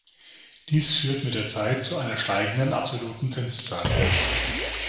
Dies führt mit der Zeit zu einer steigenden absoluten Zinszahlung.